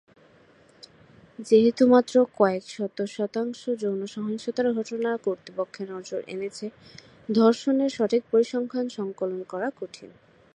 যেহেতু মাত্র কয়েক শতাংশ যৌন সহিংসতার ঘটনা কর্তৃপক্ষের নজরে এনেছে, ধর্ষণের সঠিক পরিসংখ্যান সংকলন করা কঠিন।